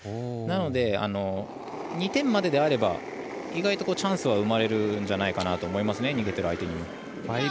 なので、２点までであれば意外とチャンスは生まれるんじゃないかなと思いますね、逃げてる相手にも。